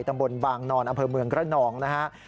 ตำบลบางนอนอำเภอเมืองกระนองนะฮะ